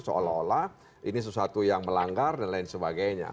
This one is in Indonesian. seolah olah ini sesuatu yang melanggar dan lain sebagainya